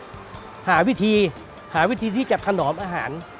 สมัยก่อนนี้ปลามันเยอะแต่นี้เอ๊ะทำไงเนาะกินวันเดียวมันก็ไม่หมดเนี่ย